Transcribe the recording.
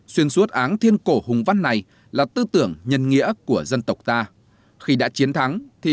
xuyên suốt áng thiên cổ hùng văn này là tư tưởng nhân nghĩa của dân tộc ta khi đã chiến thắng thì